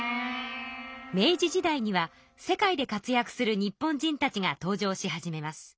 明治時代には世界で活躍する日本人たちが登場し始めます。